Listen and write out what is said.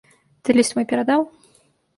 Ты ліст мой перадаў?